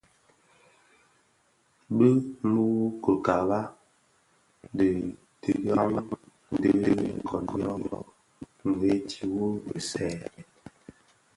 Bi mü coukaka dhi tihaň dhi koň nyô-ndhèti wu bisèè.